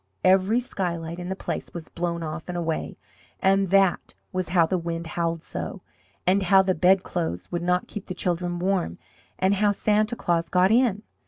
Every skylight in the place was blown off and away, and that was how the wind howled so, and how the bedclothes would not keep the children warm, and how Santa Claus got in.